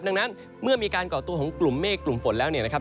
ดังนั้นเมื่อมีการก่อตัวของกลุ่มเมฆกลุ่มฝนแล้วเนี่ยนะครับ